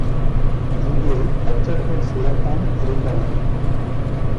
அங்கே தச்சர்கள் சிலர்தான் இருந்தனர்.